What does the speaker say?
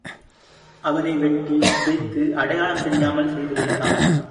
அவனை வெட்டிச் சிதைத்து அடையாளம் தெரியாமல் செய்து வைத்தான்.